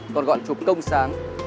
toàn gọi là chụp công sáng